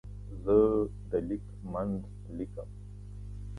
زه د لیک منځ لیکم.